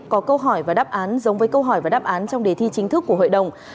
có câu hỏi và đáp án giống với câu hỏi và đáp án trong đề thi chính thức của hội đồng